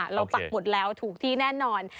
ปักหมดแล้วถูกที่แน่นอน